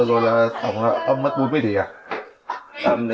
giả đánh hết nền hàng